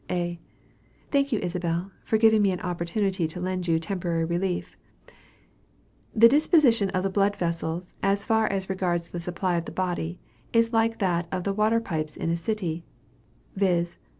A. I thank you, Isabel, for giving me an opportunity to lend you temporary relief. "The disposition of the blood vessels, as far as regards the supply of the body, is like that of the water pipes in a city, viz.